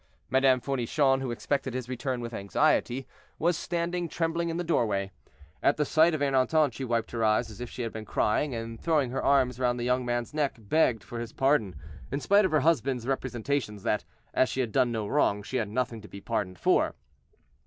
Madame Fournichon, who expected his return with anxiety, was standing trembling in the doorway. At the sight of Ernanton she wiped her eyes, as if she had been crying, and throwing her arms round the young man's neck, begged for his pardon, in spite of her husband's representations that, as she had done no wrong, she had nothing to be pardoned for.